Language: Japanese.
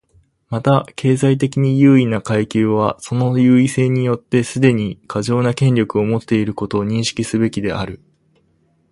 また、経済的に優位な階級はその優位性によってすでに過剰な権力を持っていることを認識すべきである。